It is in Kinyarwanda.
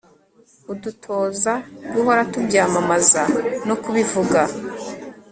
udutoza guhora tubyamamaza no kubivuga